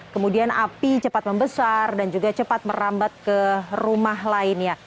kemudian api cepat membesar dan juga cepat merambat ke rumah lainnya